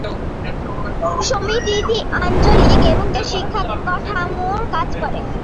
সমিতিটি আঞ্চলিক এবং জাতীয় শিক্ষা কাঠামোর কাজ করে।